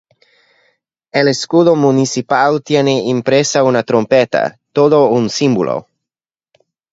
El escudo municipal tiene impresa una trompeta, todo un símbolo.